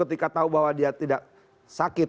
ketika tahu bahwa dia tidak sakit